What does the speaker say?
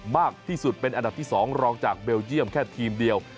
มากที่สุดเป็นอันดับที่๒รองจากเบลเยี่ยมแค่ทีมเดียว